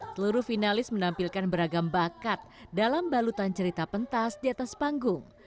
seluruh finalis menampilkan beragam bakat dalam balutan cerita pentas di atas panggung